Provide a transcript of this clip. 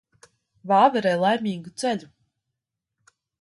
Vāverei laimīgu ceļu.